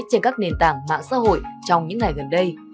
trên các nền tảng mạng xã hội trong những ngày gần đây